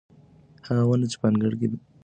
هغه ونه چې په انګړ کې ده ښه ثمر لري.